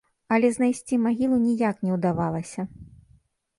Але знайсці магілу ніяк не ўдавалася.